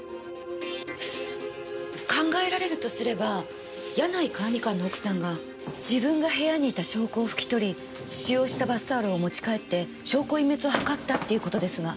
考えられるとすれば柳井管理官の奥さんが自分が部屋にいた証拠を拭き取り使用したバスタオルを持ち帰って証拠隠滅をはかったっていう事ですが。